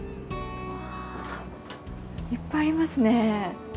うわいっぱいありますね。